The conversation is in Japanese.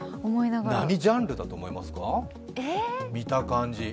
何ジャンルだと思いますか、見た感じ。